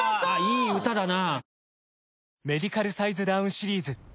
いい歌だな！